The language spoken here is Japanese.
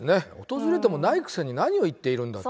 訪れてもないくせに何を言っているんだ。